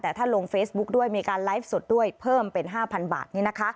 แต่ถ้าลงเฟซบุ๊กด้วยมีการไลฟ์สดด้วยเพิ่มเป็น๕๐๐บาท